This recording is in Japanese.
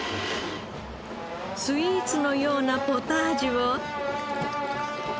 スイーツのようなポタージュを。